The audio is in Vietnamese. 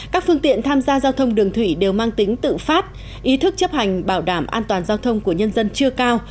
các phương tiện tham gia giao thông đường thủy đều mang tính tự phát ý thức chấp hành bảo đảm an toàn giao thông của nhân dân chưa cao